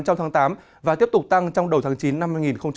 trong tháng tám và tiếp tục tăng trong đầu tháng chín năm hai nghìn hai mươi